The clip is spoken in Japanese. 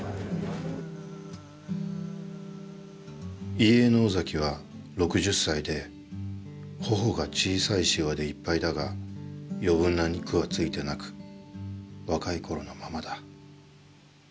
「遺影の尾崎は六十歳で頬が小さいシワでいっぱいだが余分な肉はついてなく若い頃のままだ。